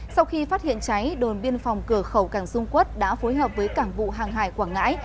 sau khi phát hiện cháy đồn biên phòng cửa khẩu cảng dung quốc đã phối hợp với cảng vụ hàng hải quảng ngãi